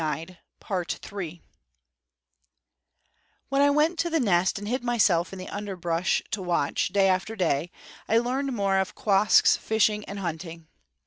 When I went to the nest and hid myself in the underbrush to watch, day after day, I learned more of Quoskh's fishing and hunting.